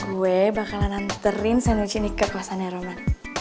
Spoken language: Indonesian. gue bakalan nanterin sandwich ini ke kawasannya roman